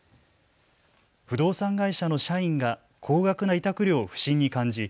不動産会社の社員が高額な委託料を不審に感じ